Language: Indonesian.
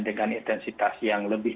dengan intensitas yang lebih